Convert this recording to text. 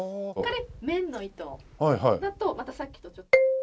綿の糸だとまたさっきとちょっと。